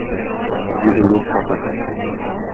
Җиде юл чаты.